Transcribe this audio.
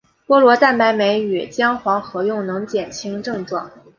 菠萝蛋白酶与姜黄合用能减轻症状。